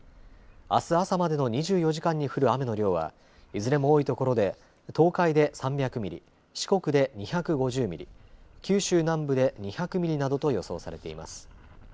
あす朝までの２４時間に降る雨の量はいずれも多いところで東海で３００ミリ四国で２５０ミリ、九州南部で２００ミリなどと予想されています。